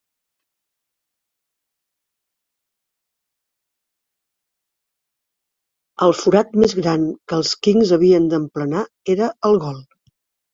El forat més gran que els Kings havien d'emplenar era el gol.